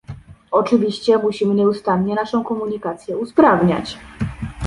Oczywiście musimy nieustannie naszą komunikację usprawniać